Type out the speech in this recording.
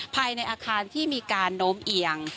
ภายในอาคารที่มีการโน้มเอียง